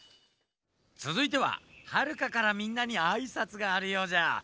つづいてははるかからみんなにあいさつがあるようじゃ。